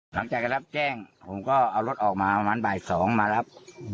หลังจากรับแจ้งผมก็เอารถออกมาประมาณบ่าย๒มารับ